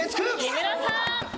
木村さん！